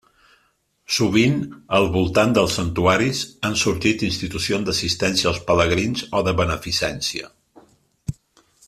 Sovint, al voltant dels santuaris han sorgit institucions d'assistència als pelegrins o de beneficència.